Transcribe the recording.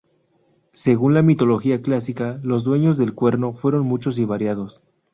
Según la mitología clásica, los dueños del cuerno fueron muchos y variados.